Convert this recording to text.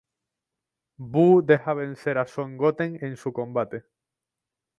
Boo deja vencer a Son Goten en su combate.